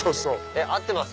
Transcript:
合ってます？